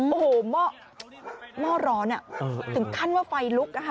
โอ้โหหม้อหม้อร้อนน่ะถึงขั้นว่าไฟลุกอ่ะค่ะ